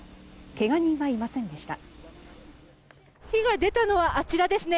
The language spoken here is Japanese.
怪我人はいませんでした。